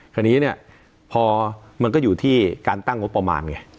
คราวนี้เนี่ยพอมันก็อยู่ที่การตั้งงบประมาณไง